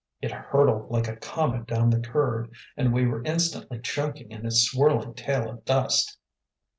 It hurtled like a comet down the curve and we were instantly choking in its swirling tail of dust.